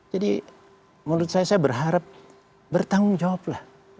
jadi menurut saya saya berharap bertanggung jawablah